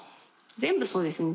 全部そうですね。